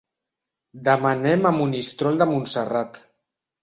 Demà anem a Monistrol de Montserrat.